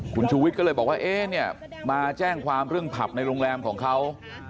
คุณชูวิทย์ก็เลยบอกว่าเอ๊ะเนี่ยมาแจ้งความเรื่องผับในโรงแรมของเขา